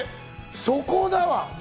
そこだわ。